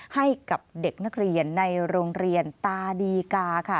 ให้กับเด็กนักเรียนในโรงเรียนตาดีกาค่ะ